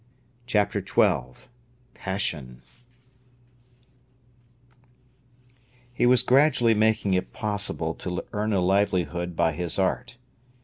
CHAPTER XII PASSION He was gradually making it possible to earn a livelihood by his art.